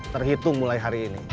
terhitung mulai hari ini